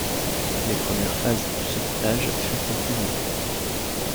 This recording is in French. Les premières phases du sauvetage furent improvisées.